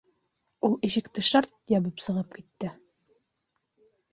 — Ул ишекте шарт ябып сығып китте.